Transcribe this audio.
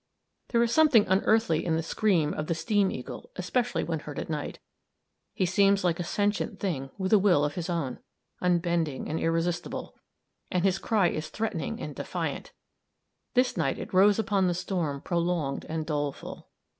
There is something unearthly in the scream of the "steam eagle," especially when heard at night. He seems like a sentient thing, with a will of his own, unbending and irresistible; and his cry is threatening and defiant. This night it rose upon the storm prolonged and doleful.